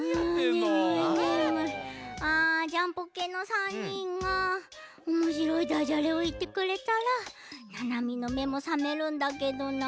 あジャンポケの３にんがおもしろいダジャレをいってくれたらななみのめもさめるんだけどな。